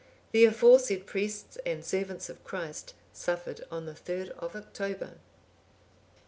The aforesaid priests and servants of Christ suffered on the 3rd of October.